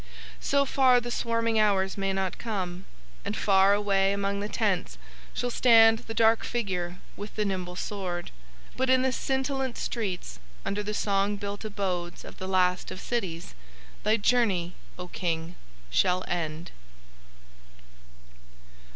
"So far the swarming hours may not come, and far away among the tents shall stand the dark figure with the nimble sword. But in the scintillant streets, under the song built abodes of the last of cities, thy journey, O King, shall end."